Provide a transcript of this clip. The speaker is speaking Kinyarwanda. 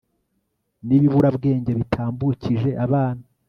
n'ibiburabwenge bitambukije abana